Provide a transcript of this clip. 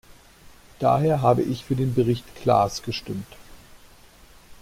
Daher habe ich für den Bericht Klass gestimmt.